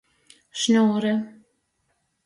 Šņūre.